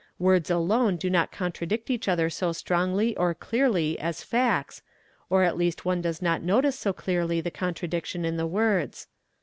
Words alone do not contradict each other so strongly or clearly as facts, or at least one does not notice so clearly the contradiction in the words.